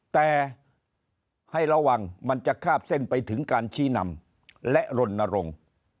แต่ให้ระวังมันจะคาบเส้นไปถึงการชี้นำและรณรงค์